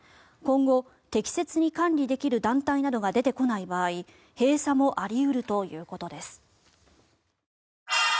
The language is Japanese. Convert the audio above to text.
今後、適切に管理できる団体などが出てこない場合閉鎖もあり得るということです。